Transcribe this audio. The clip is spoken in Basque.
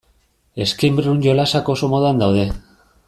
Escape-room jolasak oso modan daude.